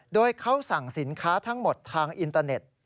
โดยเขาสั่งสินค้าทั้งหมดทางอินเตอร์เน็ต